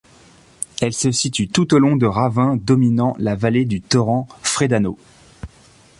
Elle se situe tout au long de ravins dominant la vallée du torrent Freddano.